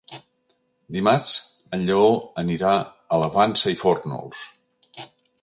Dimarts en Lleó anirà a la Vansa i Fórnols.